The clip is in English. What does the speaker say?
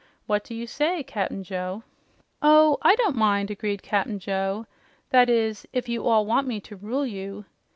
What do you say, Cap'n Joe?" "Oh, I don't mind," agreed Cap'n Joe. "That is, if you all want me to rule you."